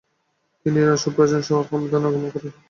তিনি ইরানের সুপ্রাচীন শহর হামাদানে গমন করেন।